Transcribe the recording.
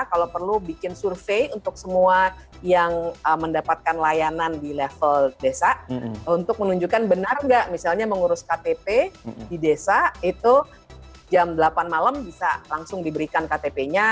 kalau perlu bikin survei untuk semua yang mendapatkan layanan di level desa untuk menunjukkan benar nggak misalnya mengurus ktp di desa itu jam delapan malam bisa langsung diberikan ktp nya